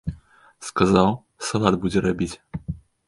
Сказаў, салат будзе рабіць.